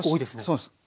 そうです。